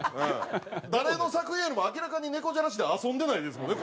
誰の作品よりも明らかに猫じゃらしで遊んでないですもんね